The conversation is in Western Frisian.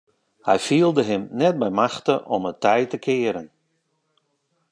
Hy fielde him net by machte om it tij te kearen.